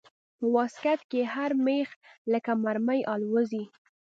په واسکټ کښې هر مېخ لکه مرمۍ الوزي.